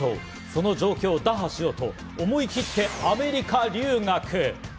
その状況を打破しようと、思い切ってアメリカ留学。